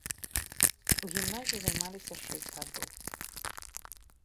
У гімназіі займаліся шэсць гадоў.